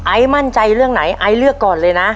มั่นใจเรื่องไหนไอซ์เลือกก่อนเลยนะ